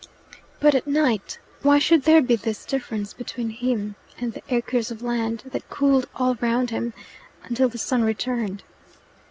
But at night, why should there be this difference between him and the acres of land that cooled all round him until the sun returned?